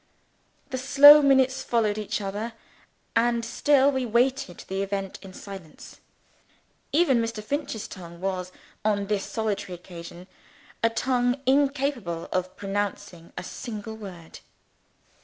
The slow minutes followed each other and still we waited the event in silence. Even Mr. Finch's tongue was, on this solitary occasion, a tongue incapable of pronouncing a single word.